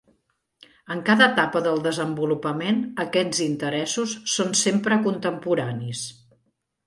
En cada etapa del desenvolupament, aquests interessos són sempre contemporanis.